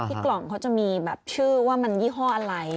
กล่องเขาจะมีแบบชื่อว่ามันยี่ห้ออะไร